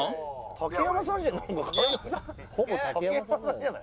竹山さんじゃない。